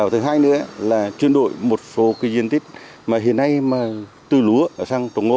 thứ hai nữa là truyền đổi một số diện tích mà hiện nay từ lúa sang trồng ngô